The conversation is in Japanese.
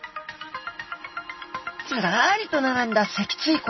ずらりと並んだ脊椎骨。